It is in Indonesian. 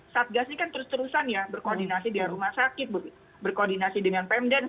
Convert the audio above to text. satgas ini kan terus terusan ya berkoordinasi dengan rumah sakit berkoordinasi dengan pemda